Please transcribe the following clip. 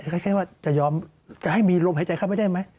ก็ใช้ว่าจะยอมจะให้มีลมหายใจเข้าไปได้ไหม